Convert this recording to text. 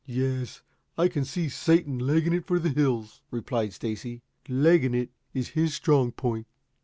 "Yes; I can see Satan legging it for the hills," replied Stacy. "Legging it is his strong point."